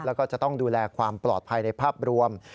แล้วก็จะต้องดูแลความปลอดภัยในภาพรวม